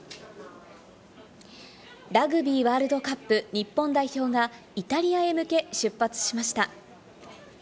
ラグビーワールドカップ日本代表が、イタリアへ向け出発しました。